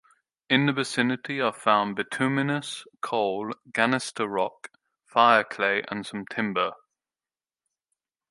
In the vicinity are found bituminous coal, ganister rock, fire clay, and some timber.